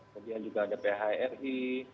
kemudian juga ada phri